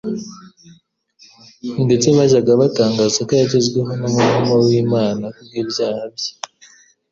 Ndetse bajyaga batangaza ko yagezweho n'umuvumo w'Imana kubw'ibyaha bye.